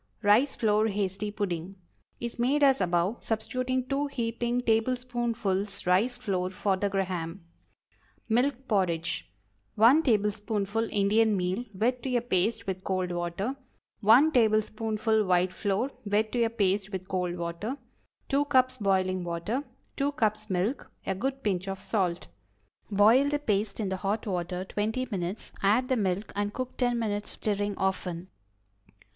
RICE FLOUR HASTY PUDDING Is made as above, substituting two heaping tablespoonfuls rice flour for the Graham. MILK PORRIDGE. 1 tablespoonful Indian meal } wet to a paste with cold 1 tablespoonful white flour } water. 2 cups boiling water. 2 cups milk. A good pinch of salt. Boil the paste in the hot water twenty minutes; add the milk and cook ten minutes more, stirring often.